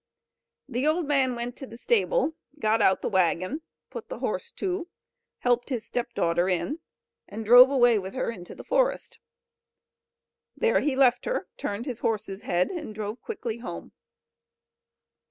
The old man went to the stable, got out the waggon, put the horse to, helped his stepdaughter in, and drove away with her into the forest. There he left her, turned his horse's head, and drove quickly home.